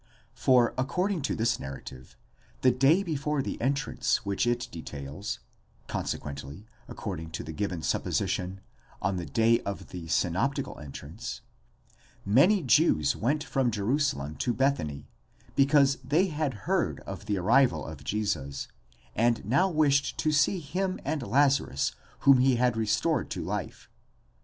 For accord ing to this narrative, the day before the entrance which it details (conse quently, according to the given supposition, on the day of the synoptical entrance), many Jews went from Jerusalem to Bethany, because they had heard of the arrival of Jesus, and now wished to see him and Lazarus whom he had restored to life (v.